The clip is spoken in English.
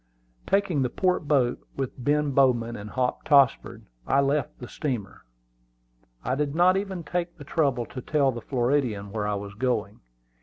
Taking the port boat, with Ben Bowman and Hop Tossford, I left the steamer. I did not even take the trouble to tell the Floridian where I was going.